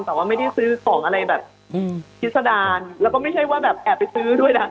แต่ว่าไม่ได้ซื้อของอะไรแบบพิษดารแล้วก็ไม่ใช่ว่าแบบแอบไปซื้อด้วยนะ